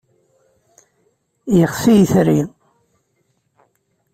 Yexsi yitri.